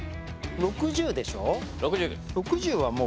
６０でしょう？